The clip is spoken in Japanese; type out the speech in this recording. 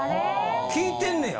効いてんねや。